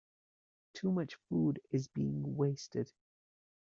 Too much food is being wasted.